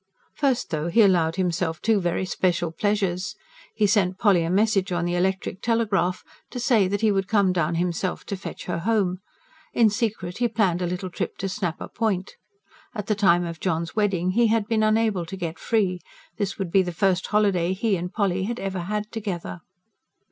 First, though, he allowed himself two very special pleasures. He sent Polly a message on the electric telegraph to say that he would come down himself to fetch her home. In secret he planned a little trip to Schnapper Point. At the time of John's wedding he had been unable to get free; this would be the first holiday he and Polly had ever had together.